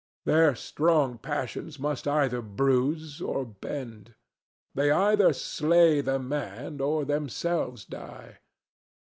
Their strong passions must either bruise or bend. They either slay the man, or themselves die.